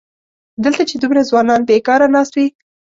دلته چې دومره ځوانان بېکاره ناست وي.